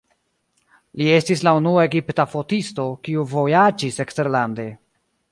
Li estis la unua egipta fotisto, kiu vojaĝis eksterlande.